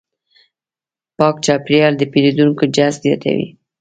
پاک چاپېریال د پیرودونکو جذب زیاتوي.